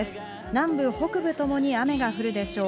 南部北部ともに雨が降るでしょう。